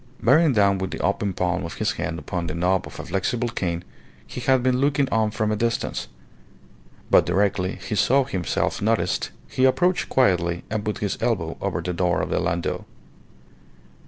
Bearing down with the open palm of his hand upon the knob of a flexible cane, he had been looking on from a distance; but directly he saw himself noticed, he approached quietly and put his elbow over the door of the landau.